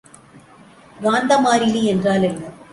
காந்த மாறிலி என்றால் என்ன?